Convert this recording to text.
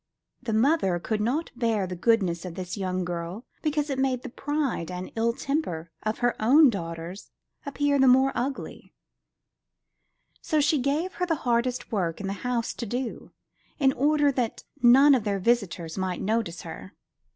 The mother could not bear the goodness of this young girl because it made the pride and ill temper of her own daughters appear all the more ugly, so she gave her the hardest work in the house to do, in order that none of their visitors might notice her.